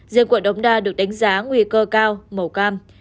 riêng quận đống đa được đánh giá nguy cơ cao màu cam